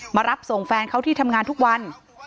มารับส่งแฟนเขาที่ทำงานทุกวัน